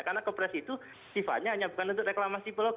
karena ke pres itu sifatnya hanya bukan untuk reklamasi pelogi